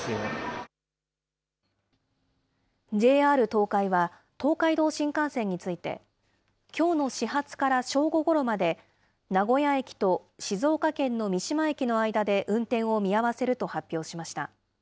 ＪＲ東海は、東海道新幹線について、きょうの始発から正午ごろまで、名古屋駅と静岡県の三島駅の間で運転を見合わせると発表しました。